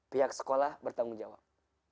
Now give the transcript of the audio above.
pihak sekolah bertanggung jawab